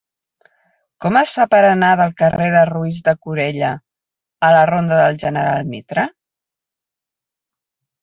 Com es fa per anar del carrer de Roís de Corella a la ronda del General Mitre?